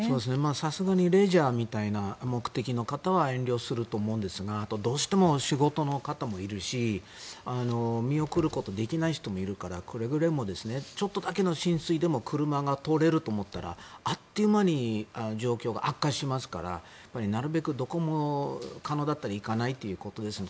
さすがにレジャーみたいな目的の方は遠慮すると思うんですがどうしても仕事の方もいるし見送ることができない人もいるからくれぐれもちょっとだけの浸水でも車が通れると思ったらあっという間に状況が悪化しますからなるべくどこも、可能だったら行かないということですね。